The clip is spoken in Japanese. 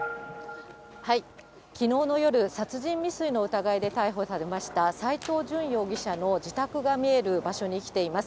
きのうの夜、殺人未遂の疑いで逮捕されました斎藤淳容疑者の自宅が見える場所に来ています。